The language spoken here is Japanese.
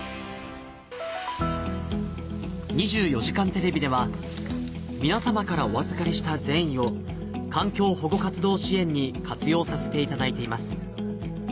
『２４時間テレビ』では皆様からお預かりした善意を環境保護活動支援に活用させていただいています